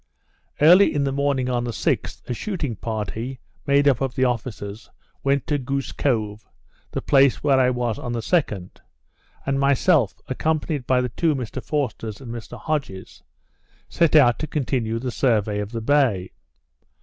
Early in the morning on the 6th, a shooting party, made up of the officers, went to Goose Cove, the place where I was the 2d; and myself, accompanied by the two Mr Forsters, and Mr Hodges, set out to continue the survey of the bay.